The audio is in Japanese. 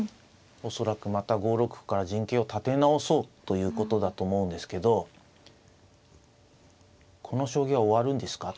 恐らくまた５六歩から陣形を立て直そうということだと思うんですけどこの将棋は終わるんですか？